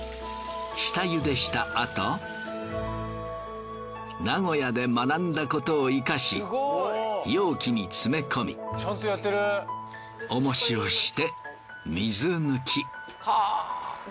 下茹でしたあと名古屋で学んだことを生かし容器に詰め込み重しをして水抜き。